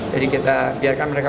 jadi kita biarkan mereka berbicara